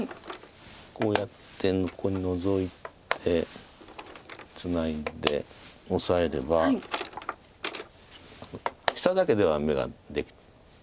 こうやってここにノゾいてツナいでオサえれば下だけでは眼ができないです。